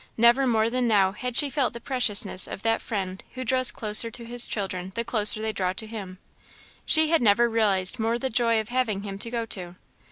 Never more than now had she felt the preciousness of that Friend who draws closer to his children the closer they draw to him; she had never realized more the joy of having him to go to.